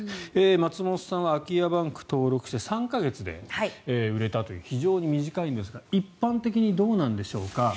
松本さんは空き家バンクに登録して３か月で売れたという非常に短いんですが一般的にどうなんでしょうか。